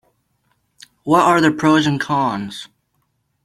What are the pros and cons?